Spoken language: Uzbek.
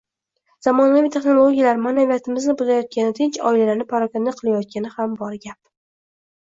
Zamonaviy texnologiyalar ma’naviyatimizni buzayotgani, tinch oilalarni parokanda qilayotgani ham bor gap.